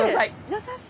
優しい！